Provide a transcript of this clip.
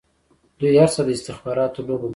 دوی هر څه د استخباراتو لوبه ګڼي.